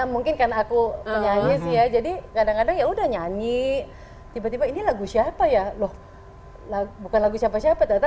mungkin kan aku nyanyi jadi kadang kadang ya udah nyanyi tiba tiba ini lagu siapa ya loh lagu lagu